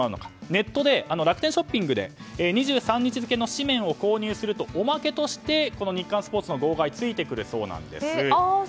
ネットで、楽天ショッピングで２３日付の紙面を購入するとおまけとして日刊スポーツの号外ついてくるそうなんです。